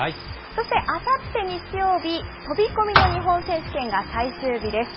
そしてあさって日曜日、飛び込みの日本選手権が最終日です。